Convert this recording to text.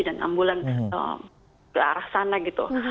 dan ambulan ke arah sana gitu